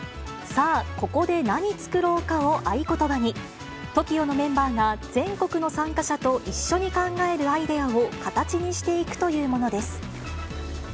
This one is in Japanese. さぁ、ここでなに作ろうか？を合言葉に、ＴＯＫＩＯのメンバーが全国の参加者と一緒に考えたアイデアをかたちにしていくというものです。